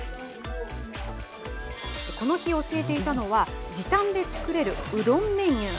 この日、教えていたのは、時短で作れるうどんメニュー。